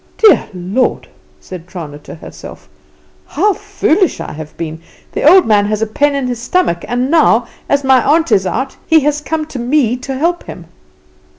"Dear Lord!" said Trana to herself, "how foolish I have been! The old man has a pain in his stomach, and now, as my aunt is out, he has come to me to help him."